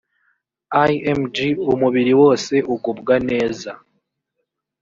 img umubiri wose ugubwa neza